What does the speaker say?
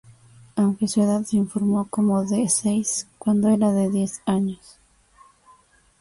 Aunque su edad se informó como de seis, cuando era de diez años.